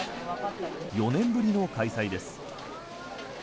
４年ぶりの開催です。